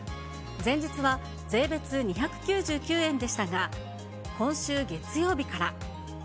前日は税別２９９円でしたが、今週月曜日から。